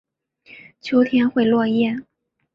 秋天会落叶。